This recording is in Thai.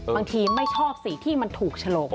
ไม่ชอบสีที่มันถูกฉลก